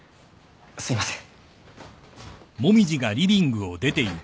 すいません。